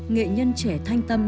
nghệ nhân trẻ thanh tâm